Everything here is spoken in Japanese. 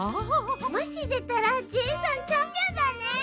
もしでたらジェイさんチャンピオンだね。